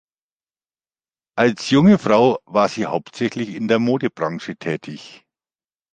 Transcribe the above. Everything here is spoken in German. Als junge Frau war sie hauptsächlich in der Modebranche tätig.